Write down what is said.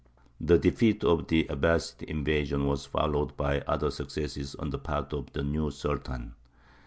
The defeat of the Abbāside invasion was followed by other successes on the part of the new Sultan.